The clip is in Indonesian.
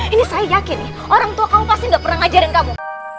ini saya yakin nih orang tua kamu pasti gak pernah ngajarin kamu